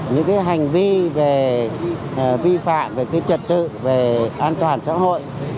những cái hành vi về vi phạm về cái trật tự về an toàn xã hội